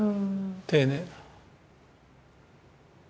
丁寧。